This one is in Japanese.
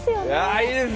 いいですね